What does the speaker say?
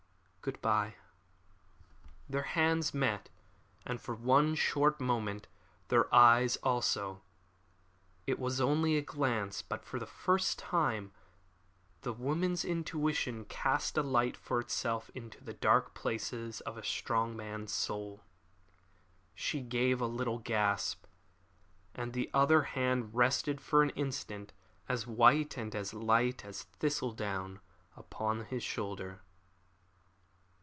"Good bye!" Their hands met, and for one short moment their eyes also. It was only a glance, but for the first and last time the woman's intuition cast a light for itself into the dark places of a strong man's soul. She gave a little gasp, and her other hand rested for an instant, as white and as light as thistle down, upon his shoulder.